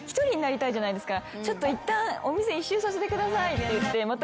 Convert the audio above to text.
ちょっといったんお店一周させてくださいって言って。